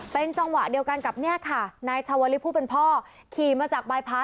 เป็นจังหวะเดียวกันกับนี่ค่ะนายชวลิพูเป็นพ่อ